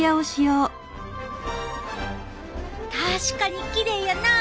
確かにきれいやな。